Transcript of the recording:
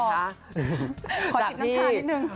ขอจิบน้ำชานิดนึง